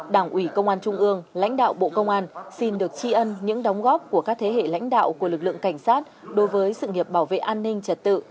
đảng ủy công an trung ương lãnh đạo bộ công an xin được tri ân những đóng góp của các thế hệ lãnh đạo của lực lượng cảnh sát đối với sự nghiệp bảo vệ an ninh trật tự